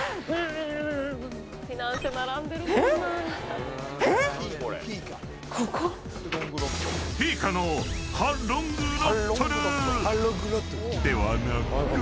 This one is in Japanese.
［ではなく］